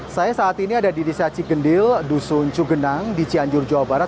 saya saat ini ada di desa cigenil dusun cugenang di cianjur jawa barat